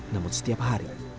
namun setiap hari